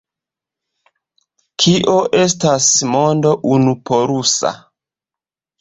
Kio estas mondo unupolusa?